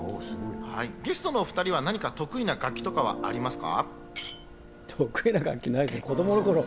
ゲストのお２人は何か得意な楽器とかはありますか？